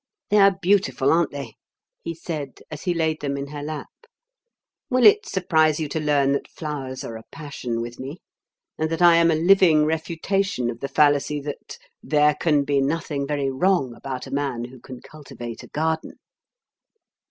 "They are beautiful, aren't they?" he said, as he laid them in her lap. "Will it surprise you to learn that flowers are a passion with me, and that I am a living refutation of the fallacy that 'there can be nothing very wrong about a man who can cultivate a garden'?"